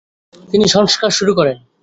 তিনি সংস্কার শুরু করেন।